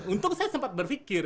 untung saya sempat berpikir